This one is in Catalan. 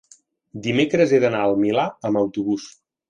dimecres he d'anar al Milà amb autobús.